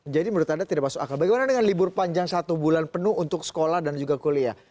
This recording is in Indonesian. jadi menurut anda tidak masuk akal bagaimana dengan libur panjang satu bulan penuh untuk sekolah dan juga kuliah